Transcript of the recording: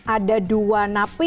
ada dua napi